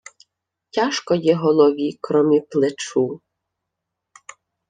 Тяжко є голові кромі плечу